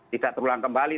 tidak terulang kembali